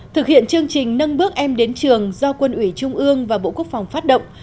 thực hiện chương trình nâng bước em đến trường do quân ủy trung ương và bộ quốc phòng phát động